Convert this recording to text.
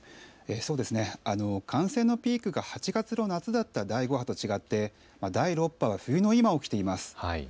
そうですね、感染のピークが８月の夏だった第５波と違って第６波は冬の今、起きています。